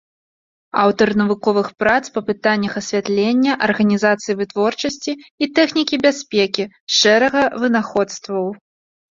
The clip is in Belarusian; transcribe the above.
Аўтар навуковых прац па пытаннях асвятлення, арганізацыі вытворчасці і тэхнікі бяспекі, шэрага вынаходстваў.